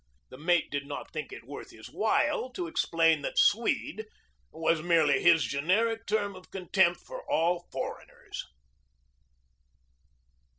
The mate did not think it worth his while to explain that "Swede" was merely his generic term of contempt for all foreigners.